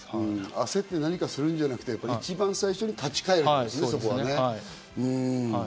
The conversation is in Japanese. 焦って何かするんじゃなくて、一番最初に立ち返る。